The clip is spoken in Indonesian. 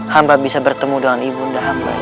hamba bisa bertemu dengan ibu unda hamba yang